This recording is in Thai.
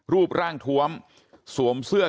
รูปร่างทวมสวมเสื้อ